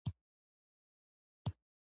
غرمه د ښو فکرونو وخت دی